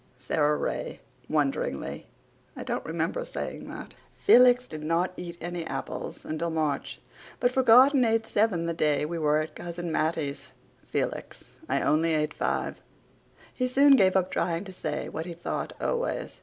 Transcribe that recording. (SARA RAY, WONDERINGLY: "I don't remember of saying that.") Felix did not eat any apples until March, but forgot and ate seven the day we were at Cousin Mattie's. (FELIX: "I only ate five!") He soon gave up trying to say what he thought always.